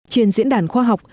trên diễn đàn khoa học